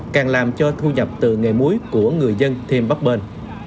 càng làm cho thu nhập từ nghề muối của người dân thêm bắp bên